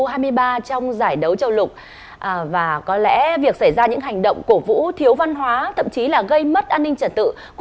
em thấy là chúng ta đều đấu rất là ngang sức